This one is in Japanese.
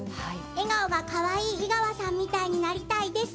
笑顔がかわいい井川さんみたいになりたいです。